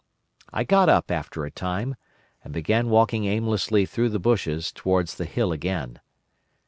"I got up after a time, and began walking aimlessly through the bushes towards the hill again.